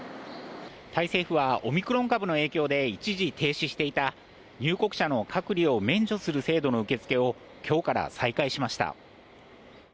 タイ政府は、オミクロン株の影響で一時停止していた、入国者の隔離を免除する制度の受け付けをきょうから再開しました。